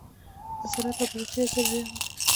نظارت او بررسي یو ضروري امر دی.